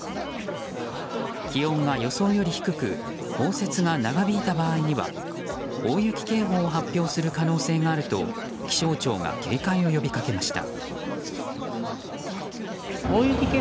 気温が予想より低く降雪が長引いた場合には大雪警報を発表する可能性があると気象庁が警戒を呼びかけました。